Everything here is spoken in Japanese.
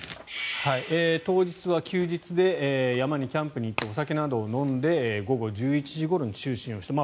当日は休日で山にキャンプに行ってお酒などを飲んで午後１１時ごろに就寝した。